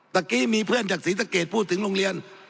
เมื่อกี้มีเพื่อนจากศรีสะเกดพูดถึงโรงเรียน